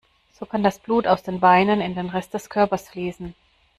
So kann das Blut aus den Beinen in den Rest des Körpers fließen.